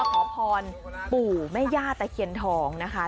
เราขอพรปู่แม่ญาติแต่เขียนทองนะคะ